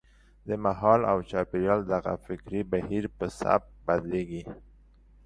د مهال او چاپېریال دغه فکري بهیر په سبک بدلېږي.